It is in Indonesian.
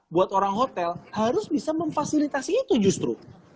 buat orang hotel harus bisa memfasilitasi itu justru